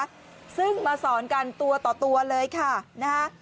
ซึ่งมาสอนกันตัวต่อตัวเลยค่ะนะฮะ